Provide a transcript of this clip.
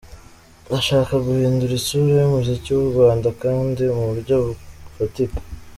Ndashaka guhindura isura y’umuziki w’u Rwanda kandi mu buryo bufatika.